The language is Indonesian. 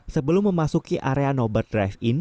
sebelum memasuki area nobar drive in